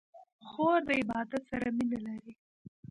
خور د عبادت سره مینه لري.